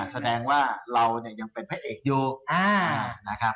แสดงว่าเราเนี่ยยังเป็นพระเอกอยู่นะครับ